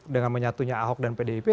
dengan menyatunya ahok dan pdip